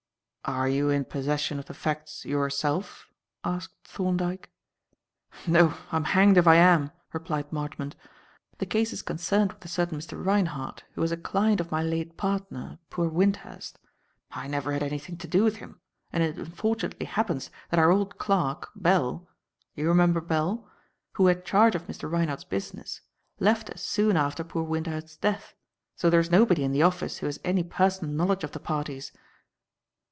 "Are you in possession of the facts, yourself?" asked Thorndyke. "No, I'm hanged if I am," replied Marchmont. "The case is concerned with a certain Mr. Reinhardt, who was a client of my late partner, poor Wyndhurst. I never had anything to do with him; and it unfortunately happens that our old clerk, Bell you remember Bell who had charge of Mr. Reinhardt's business, left us soon after poor Wyndhurst's death, so there is nobody in the office who has any personal knowledge of the parties."